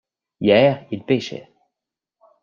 Hier ils pêchaient.